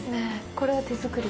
これは手作り？